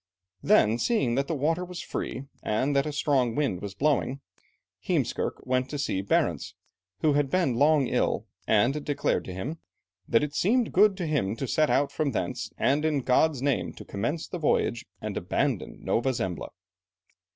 Then, seeing that the water was free, and that a strong wind was blowing, Heemskerke went to seek Barentz, who had been long ill, and declared to him "that it seemed good to him to set out from thence, and in God's name to commence the voyage and abandon Nova Zembla."